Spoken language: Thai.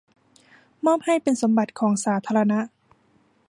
มอบให้เป็นสมบัติของสาธารณะ